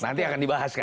nanti akan dibahas kan